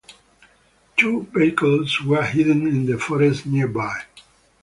Two vehicles were hidden in the forest nearby.